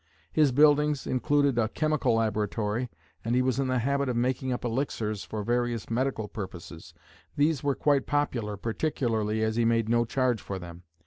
His buildings included a chemical laboratory, and he was in the habit of making up elixirs for various medical purposes; these were quite popular, particularly as he made no charge for them.